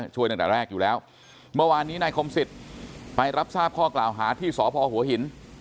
ตั้งแต่แรกอยู่แล้วเมื่อวานนี้นายคมสิทธิ์ไปรับทราบข้อกล่าวหาที่สพหัวหิน